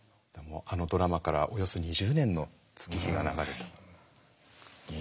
あのドラマからおよそ２０年の月日が流れた。